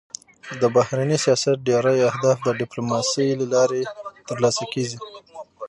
د بهرني سیاست ډېری اهداف د ډيپلوماسی له لارې تر لاسه کېږي.